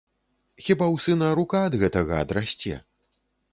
Хіба ў сына рука ад гэтага адрасце?